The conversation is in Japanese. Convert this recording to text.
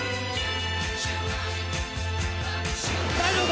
大丈夫か！